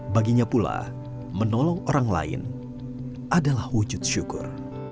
baginya pula menolong orang lain adalah wujud syukur